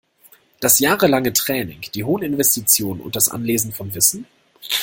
Das jahrelange Training, die hohen Investitionen und das Anlesen von Wissen?